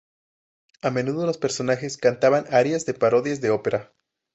A menudo los personajes cantaban arias de parodias de ópera.